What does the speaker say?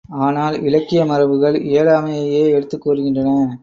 ஆனால், இலக்கிய மரபுகள் இயலாமையையே எடுத்துக் கூறுகின்றன.